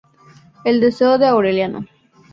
El deseo de Aurelio.